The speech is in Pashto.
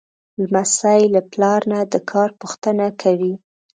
لمسی له پلار نه د کار پوښتنه کوي.